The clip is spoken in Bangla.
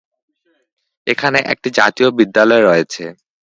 এখানে একটি জাতীয় বিদ্যালয় রয়েছে।